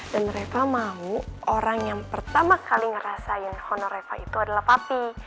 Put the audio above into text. dan reva mau orang yang pertama kali ngerasain honor reva itu adalah papi